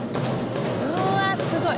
うわすごい。